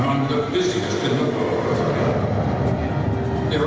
salah satu dari kebanyakan di seluruh negara